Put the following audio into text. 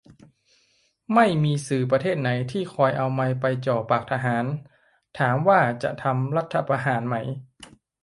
ไม่มีสื่อประเทศไหนที่คอยเอาไมค์ไปจ่อปากทหาร ถามว่าจะทำรัฐประหารไหม